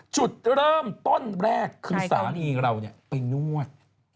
จุดเริ่มต้นแรกคือสามีเราไปนวด